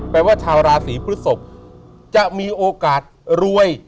แปลว่าชาวราศีพฤศพจะมีโอกาสรวย